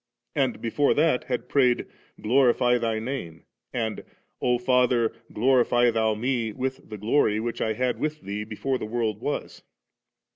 and before that had prayed, 'Glorify Thy Name,' and, 'O Father, glorify Thou Me with the glory which I had with Thee before the world was.